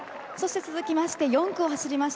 続きまして、４区を走りました